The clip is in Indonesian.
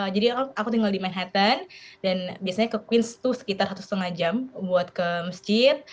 jadi aku tinggal di manhattan dan biasanya ke queens itu sekitar satu setengah jam buat ke masjid